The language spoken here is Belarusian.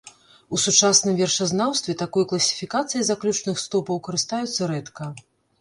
У сучасным вершазнаўстве такой класіфікацыяй заключных стопаў карыстаюцца рэдка.